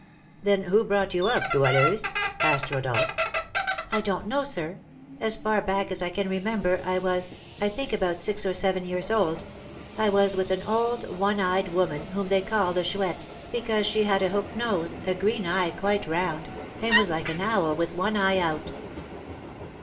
"Then who brought you up, Goualeuse?" asked Rodolph. "I don't know, sir. As far back as I can remember I was, I think, about six or seven years old I was with an old one eyed woman, whom they call the Chouette, because she had a hooked nose, a green eye quite round, and was like an owl with one eye out."